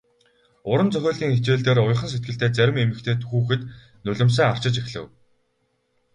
Уран зохиолын хичээл дээр уяхан сэтгэлтэй зарим эмэгтэй хүүхэд нулимсаа арчиж эхлэв.